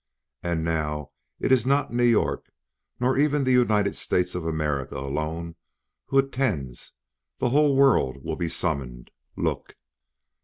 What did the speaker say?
And now it is not New York, nor even the United States of America alone who attends; the whole world will be summoned. Look!"